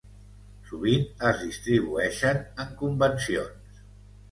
Sovint, es distribueixen en convencions.